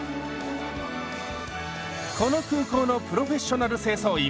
この空港のプロフェッショナル清掃員